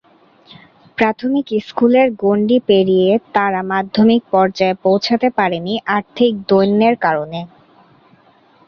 প্রাথমিক স্কুলের গণ্ডি পেরিয়ে তারা মাধ্যমিক পর্যায়ে পৌঁছাতে পারেনি আর্থিক দৈন্যের কারণে।